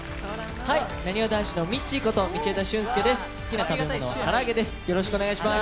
はい、なにわ男子のミッチーこと道枝駿佑です。